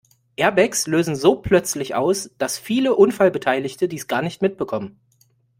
Airbags lösen so plötzlich aus, dass viele Unfallbeteiligte dies gar nicht mitbekommen.